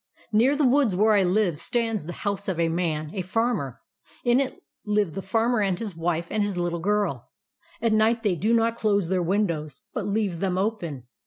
Near the woods where I live stands the house of a man, a Farmer. In it live the Farmer and his wife and his little girl. At night they do not close their windows, but leave them open.